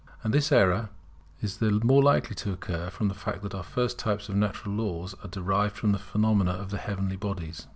And the error is the more likely to occur from the fact that our first types of natural laws are derived from the phenomena of the heavenly bodies.